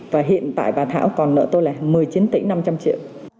và hiện tại bà thảo còn nợ tôi là một mươi chín tỷ năm trăm linh triệu